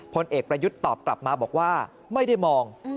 พลเอกประยุทธ์ตอบกลับมาบอกว่าไม่ได้มอง